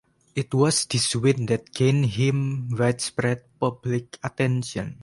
It was this win that gained him widespread public attention.